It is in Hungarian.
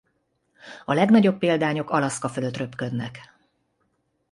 A legnagyobb példányok Alaszka fölött röpködnek.